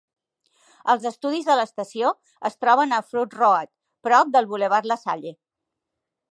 Els estudis de l'estació es troben a Frood Road prop del bulevard Lasalle.